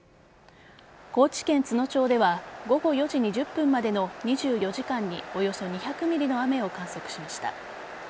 高知県津野町では午後４時２０分までの２４時間におよそ２００ｍｍの雨を観測しました。